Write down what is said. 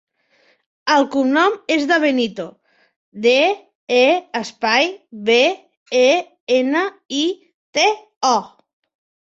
El cognom és De Benito: de, e, espai, be, e, ena, i, te, o.